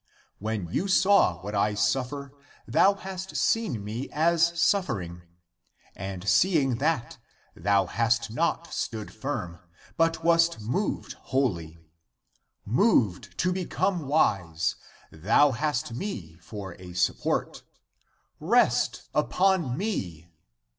When you saw what I suf fer, thou hast seen me as suffering ; and seeing that, thou hast not stood firm, but wast moved wholly. Moved to become wise, thou hast me for a support. Rest upon me